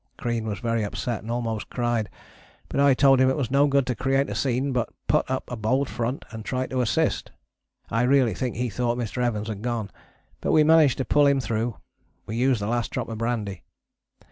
Crean was very upset and almost cried, but I told him it was no good to create a scene but put up a bold front and try to assist. I really think he thought Mr. Evans had gone, but we managed to pull him through. We used the last drop of brandy.